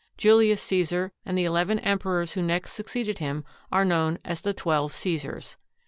Julius Caesar and the eleven emperors who next succeeded him are known as the Twelve Caesars.